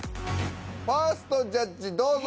ファーストジャッジどうぞ。